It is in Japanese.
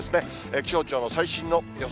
気象庁の最新の予想